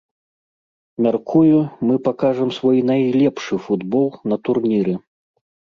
Мяркую, мы пакажам свой найлепшы футбол на турніры.